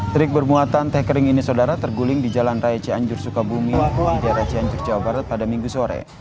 trik bermuatan teh kering ini saudara terguling di jalan raya cianjur sukabumi daerah cianjur jawa barat pada minggu sore